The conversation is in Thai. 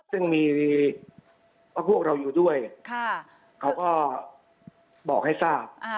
ซึ่งมีว่าพวกเราอยู่ด้วยค่ะเขาก็บอกให้ทราบอ่า